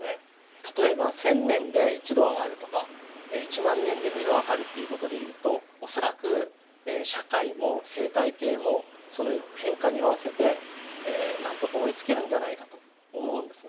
例えば１，０００年で１℃上がるとか１万年で２℃上がるという事で言うと恐らく社会も生態系もその変化に合わせてなんとか追いつけるんじゃないかと思うんですね。